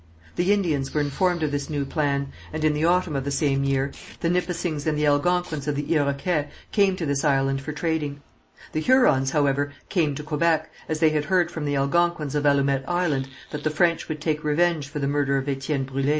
The Indians were informed of this new plan, and in the autumn of the same year, the Nipissings and the Algonquins of the Iroquet came to this island for trading. The Hurons, however, came to Quebec, as they had heard from the Algonquins of Allumette Island that the French would take revenge for the murder of Étienne Brûlé.